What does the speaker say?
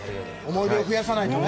思い出をふやさないとね。